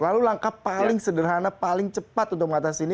lalu langkah paling sederhana paling cepat untuk mengatasi ini